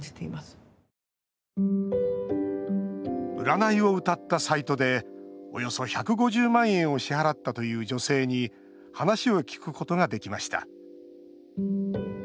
占いをうたったサイトでおよそ１５０万円を支払ったという女性に話を聞くことができました。